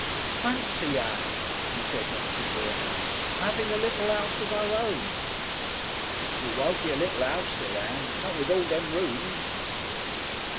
"Fency, Ann!" he said, not too buoyantly, "'aving a little 'ouse of our own!" "It won't be a little 'ouse," said Ann, "not with all them rooms."